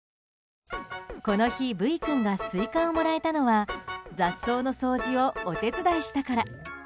この日、ブイ君がスイカをもらえたのは雑草の掃除をお手伝いしたから。